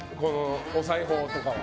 お裁縫とかは。